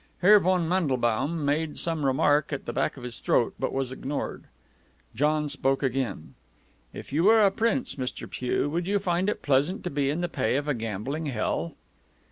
Herr von Mandelbaum made some remark at the back of his throat, but was ignored. John spoke again. "If you were a prince, Mr. Pugh, would you find it pleasant to be in the pay of a gambling hell?"